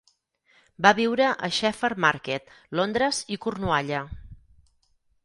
Va viure a Shepherd Market, Londres i Cornualla.